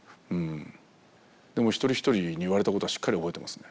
でも一人一人に言われたことはしっかり覚えてますね。